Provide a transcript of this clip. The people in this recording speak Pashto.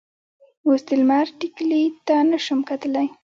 اوس د لمر ټیکلي ته نه شم کتلی.